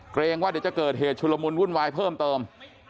เกรงว่าเดี๋ยวจะเกิดเหตุชุลมุนวุ่นวายเพิ่มเติม